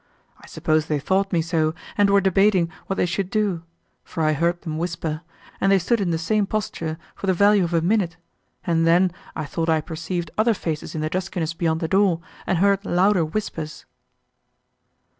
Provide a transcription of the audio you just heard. I suppose they thought me so, and were debating what they should do, for I heard them whisper, and they stood in the same posture for the value of a minute, and then, I thought I perceived other faces in the duskiness beyond the door, and heard louder whispers."